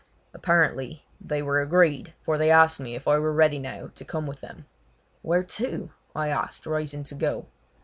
Apparently they were agreed, for they asked me if I were ready now to come with them. "Where to?" I asked, rising to go.